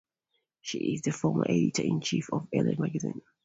She is the former editor-in-chief of "Elle" magazine.